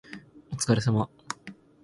お疲れ様